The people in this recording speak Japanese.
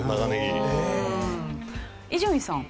伊集院さん。